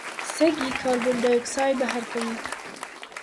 سږي کاربن ډای اکساید بهر کوي.